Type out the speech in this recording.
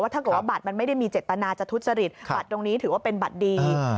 ถ้าเกิดว่าบัตรมันไม่ได้มีเจตนาจะทุจริตบัตรตรงนี้ถือว่าเป็นบัตรดี